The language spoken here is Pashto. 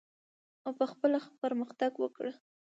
او په خپله پرمختګ وکړه.